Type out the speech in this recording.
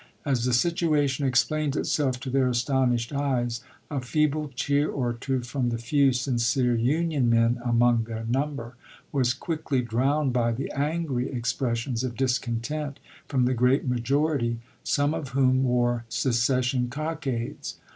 As the situation ex plained itself to their astonished eyes, a feeble cheer or two from the few sincere Union men among their number was quickly drowned by the angry expressions of discontent from the great majority, some of whom wore secession cockades.